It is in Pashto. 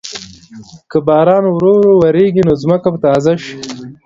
که باران ورو ورو وریږي، نو ځمکه به تازه شي.